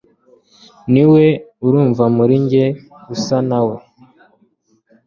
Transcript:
Niwe urumva muri njye usa na we